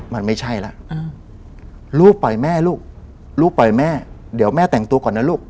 มันไม่ใช่แล้วลูกปล่อยแม่ลูกลูกปล่อยแม่เดี๋ยวแม่แต่งตัวก่อนนะลูก